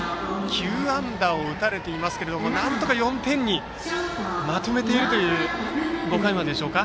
９安打を打たれていますがなんとか４点にまとめているという５回まででしょうか。